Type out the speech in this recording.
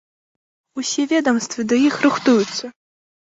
Усе ведамствы да іх рыхтуюцца.